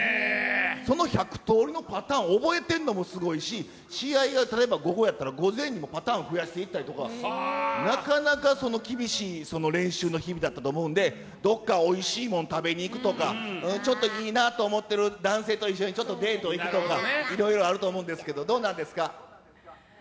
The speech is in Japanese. その１００通りのパターンを覚えてるのもすごいし、試合が、例えば午後やったら、午前にもパターンを増やしていったりだとか、なかなか厳しい練習の日々だったと思うんで、どっかおいしいもん食べに行くとか、ちょっといいなと思ってる男性と、ちょっとデート行くとか、いろいろあると思うんですけど、どうなんですか？